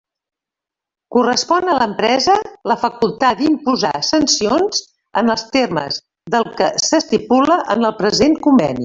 Correspon a l'empresa la facultat d'imposar sancions en els termes del que s'estipula en el present conveni.